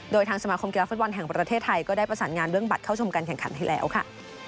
โดยทางสมาคมกีฬาฟุตบอลแห่งประเทศไทยก็ได้ประสานงานเรื่องบัตรเข้าชมการแข่งขันให้แล้วค่ะ